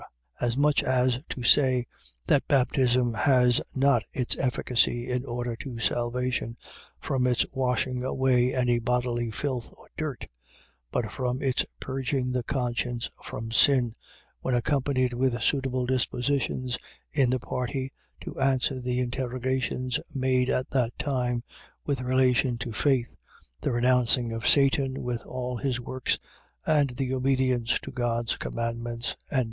.As much as to say, that baptism has not its efficacy, in order to salvation, from its washing away any bodily filth or dirt; but from its purging the conscience from sin, when accompanied with suitable dispositions in the party, to answer the interrogations made at that time, with relation to faith, the renouncing of Satan with all his works; and the obedience to God's commandments. 3:22.